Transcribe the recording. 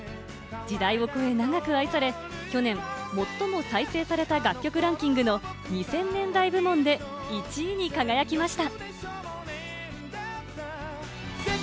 時代を超え長く愛され、去年、最も再生された楽曲ランキングの２０００年代部門で１位に輝きました。